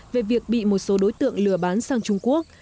về việc bị một số đối tượng lừa bán sang trung quốc